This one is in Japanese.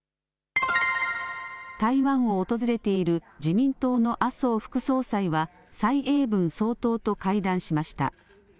台湾を訪れている自民党の麻生副総裁は蔡英文総統と会談しました。